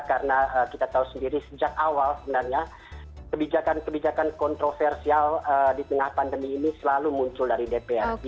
karena kita tahu sendiri sejak awal sebenarnya kebijakan kebijakan kontroversial di tengah pandemi ini selalu muncul dari dpr